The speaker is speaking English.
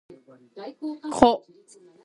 Dominoes use pips that are similar to dice.